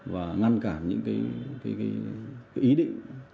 và ngăn cản những cái ý định